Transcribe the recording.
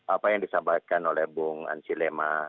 apa yang disampaikan oleh bung ansyilema